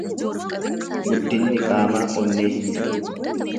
Guddinni qaamaa onnee hin ta'u.